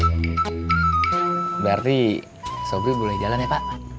berarti sobri boleh jalan ya pak